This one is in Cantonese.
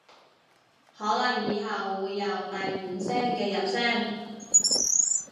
可能以後會有第五聲嘅入聲